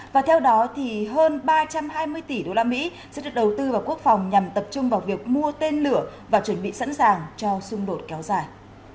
và theo đó thì hơn ba trăm hai mươi tỷ usd sẽ được đầu tư vào quốc phòng nhằm tập trung vào việc mua tên lửa và chuẩn bị sẵn sàng cho xung đột kéo dài